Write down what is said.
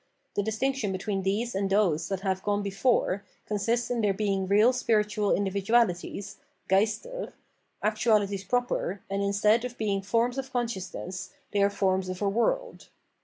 The distinction between these and those that have gone before consists in their being real spiritual individualities (Geister), actualities proper, and instead of being forms of consciousness, they are forms of a world.